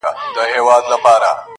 راډیو لا هم مشهور دی